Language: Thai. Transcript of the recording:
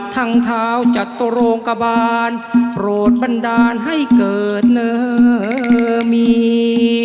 ทั้งเท้าจัดตรงกบานโปรดบันดาลให้เกิดเนิ่มมี